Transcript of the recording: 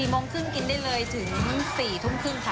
โมงครึ่งกินได้เลยถึง๔ทุ่มครึ่งค่ะ